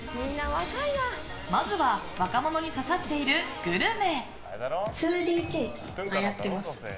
まずは若者に刺さっているグルメ。